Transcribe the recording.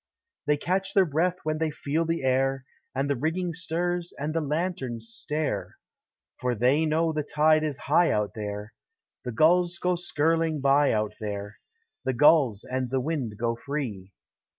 They catch their breath when they feel the air, And the rigging stirs, and the lanterns stare; For they know the tide is high out there, The gulls go skirling by, out there, The gulls and the Wind go free.